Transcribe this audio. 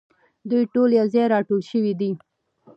دوی ټول یو ځای راټول شوي دي.